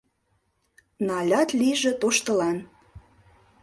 Налят лийже тоштылан.